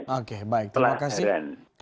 oke baik terima kasih